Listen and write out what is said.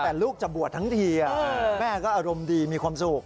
แต่ลูกจะบวชทั้งทีแม่ก็อารมณ์ดีมีความสุข